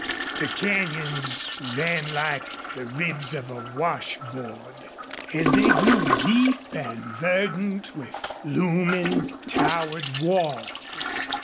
The canyons ran like the ribs of a wash board. And they grew deep and verdant, with looming, towered walls.